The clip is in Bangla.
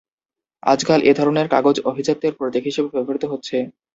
আজকাল এ ধরনের কাগজ আভিজাত্যের প্রতীক হিসেবে ব্যবহৃত হচ্ছে।